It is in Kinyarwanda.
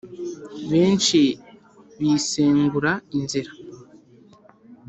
benshi bisengura inzira